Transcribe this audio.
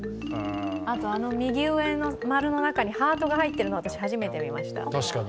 あと、右上の丸の中にハートが入ってるの、私、初めて見ました。